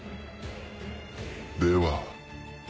では。